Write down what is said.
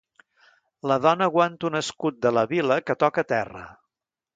La dona aguanta un escut de la vila que toca a terra.